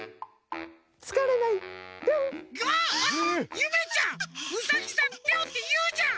ゆめちゃんウサギさん「ピョン」っていうじゃん！